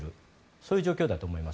そういう状況だと思います。